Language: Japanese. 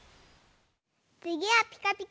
つぎは「ピカピカブ！」だよ！